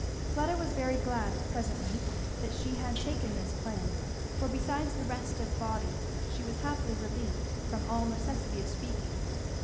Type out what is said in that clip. Fleda was very glad presently that she had taken this plan, for besides the rest of body she was happily relieved from all necessity of speaking.